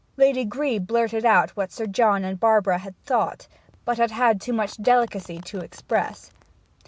Lady Grebe blurted out what Sir John and Barbara had thought, but had had too much delicacy to express.